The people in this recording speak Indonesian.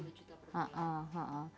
dua juta per bulan